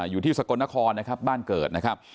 อยู่ที่สกลนครนะครับบ้านเกิดนะครับ